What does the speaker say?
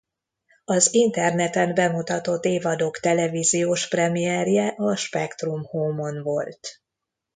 Az interneten bemutatott évadok televíziós premierje a Spektrum Home-on volt.